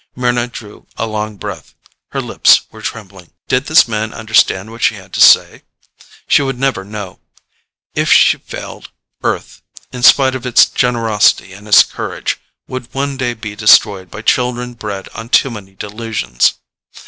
Mryna drew a long breath. Her lips were trembling. Did this man understand what she had tried to say? She would never know. If she failed, Earth in spite of its generosity and its courage would one day be destroyed by children bred on too many delusions.